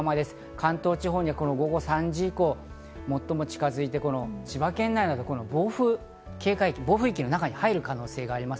関東地方には午後３時以降、最も近づいて千葉県内など暴風警戒域の中に入る可能性があります。